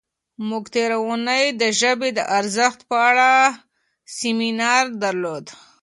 موږ تېره اونۍ د ژبې د ارزښت په اړه سیمینار درلود.